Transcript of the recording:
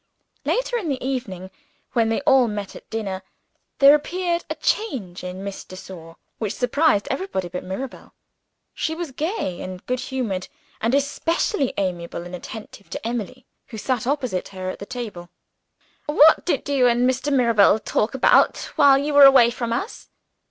Later in the evening, when they all met at dinner, there appeared a change in Miss de Sor which surprised everybody but Mirabel. She was gay and good humored, and especially amiable and attentive to Emily who sat opposite to her at the table. "What did you and Mr. Mirabel talk about while you were away from us?"